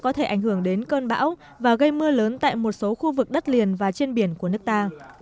có thể ảnh hưởng đến cơn bão và gây mưa lớn tại một số khu vực đất liền và trên biển của nước ta